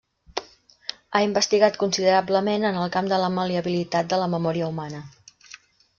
Ha investigat considerablement en el camp de la mal·leabilitat de la memòria humana.